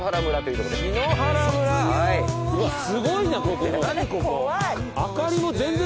うわすごい奇麗！